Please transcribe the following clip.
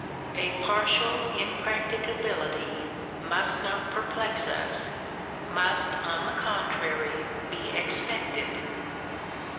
A partial impracticability must not per plex us ; must, on the contrary, be expected.